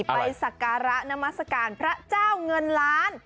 ไปสการ้านนามสการพระเจ้าเงินล้าน